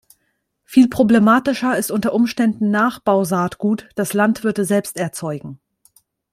Viel problematischer ist unter Umständen Nachbausaatgut, das Landwirte selbst erzeugen.